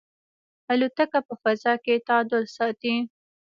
الوتکه په فضا کې تعادل ساتي.